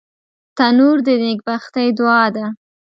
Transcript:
تنور د نیکبختۍ دعا ده